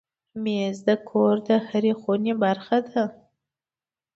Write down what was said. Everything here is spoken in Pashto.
مېز د کور د هرې خونې برخه ده.